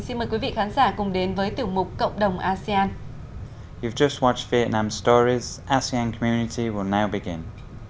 xin mời quý vị khán giả cùng đến với tiểu mục cộng đồng asean